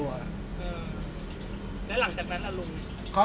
อืมแล้วหลังจากนั้นลง